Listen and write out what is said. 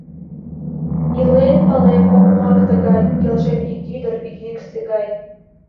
Илен, палем, окмак тыгай: келшен ик ӱдыр — йӱксӧ гай.